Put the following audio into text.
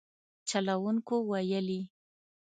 چلوونکو ویلي